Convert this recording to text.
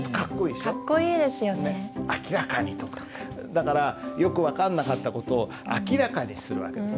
だからよく分かんなかった事を明らかにする訳です。